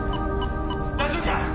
大丈夫か！